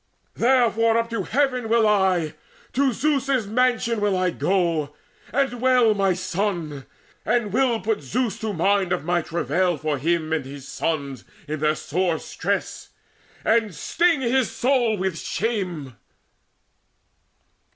Therefore up to heaven Will I: to Zeus's mansion will I go And wail my son, and will put Zeus in mind Of all my travail for him and his sons In their sore stress, and sting his soul with shame."